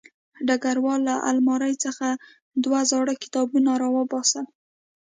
ډګروال له المارۍ څخه دوه زاړه کتابونه راوباسل